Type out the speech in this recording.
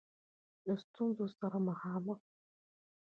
له ستونزو سره مخامخ سوه.